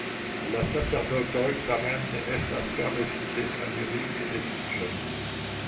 Al la sacerdotoj, tamen, ne estas permesite aliri geedziĝon.